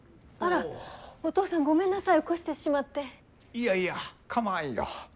いやいやかまわんよ。